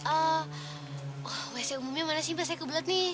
oh wc umumnya mana sih masa kebelet nih